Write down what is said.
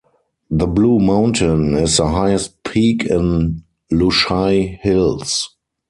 The Blue Mountain is the highest peak in Lushai hills.